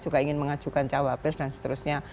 juga ingin mengajukan cawapres dan seterusnya